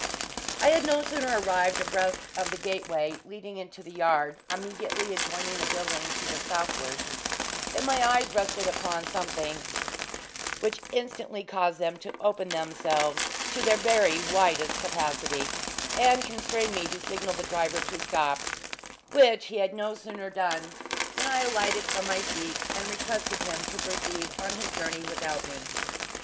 I had no sooner arrived abreast of the gateway leading into the yard immediately adjoining the building to the southward, than my eyes rested upon something which instantly caused them to open themselves to their very widest capacity, and constrained me to signal the driver to stop; which he had no sooner done than I alighted from my seat and requested him to proceed on his journey without me.